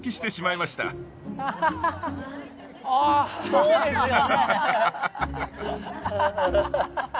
そうですよね。